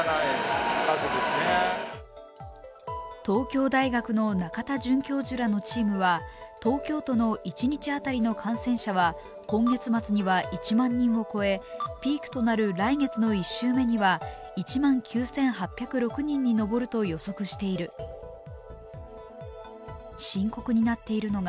東京大学の仲田准教授らのチームは東京都の一日当たりの感染者は今月末には１万人を超えピークとなる来月の１週目には１万９８０６人に上ると予測している。